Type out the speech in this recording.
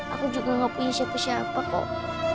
aku juga gak punya siapa siapa kok